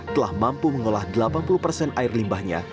telah mampu mengolah delapan puluh persen air limbahnya